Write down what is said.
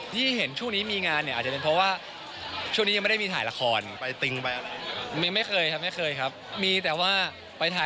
เดี๋ยวไปถามเกรดดีกว่าค่ะ